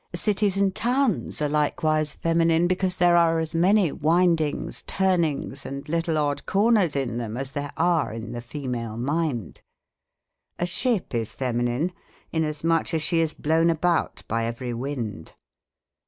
Cities and towns are likewise fem inine, because there are as many windings, turnings, and little odd corners in them as there are in the female mind, A ship is feminine, inasmuch as she is blown about by every wind.